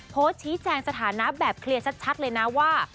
โพสต์ชี้แจงสถานะแบบเคลียร์ชัดเลยนะว่า